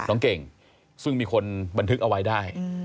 น้องเก่งซึ่งมีคนบันทึกเอาไว้ได้